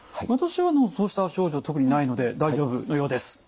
私はそうした症状特にないので大丈夫のようです。